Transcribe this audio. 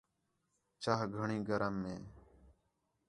چاہ گھݨی گرم ہے